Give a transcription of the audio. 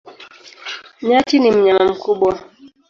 Nyati ni mnyama mkubwa.